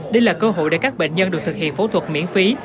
đây là cơ hội để các bệnh nhân được thực hiện phẫu thuật miễn phí